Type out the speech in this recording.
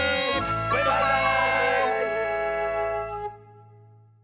バイバーイ！